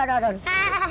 aduh aduh aduh